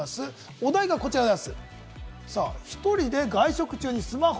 お題はこちらです。